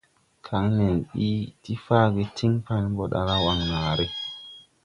Kaŋ nen mbi ti faage tiŋ pan ɓɔ ɗala Waŋnaare.